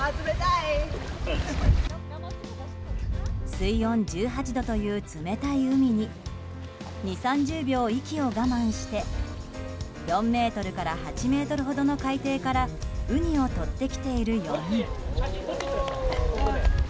水温１８度という冷たい海に２０３０秒、息を我慢して４ｍから８ｍほどの海底からウニをとってきている４人。